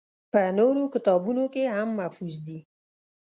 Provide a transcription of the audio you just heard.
پۀ نورو کتابونو کښې هم محفوظ دي